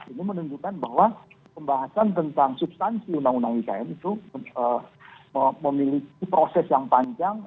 ini menunjukkan bahwa pembahasan tentang substansi undang undang ikn itu memiliki proses yang panjang